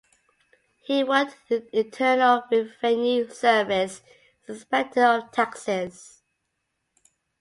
He worked in the Internal Revenue Service as an inspector of taxes.